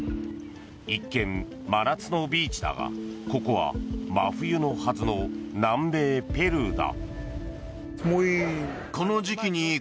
一見、真夏のビーチだがここは真冬のはずの南米ペルーだ。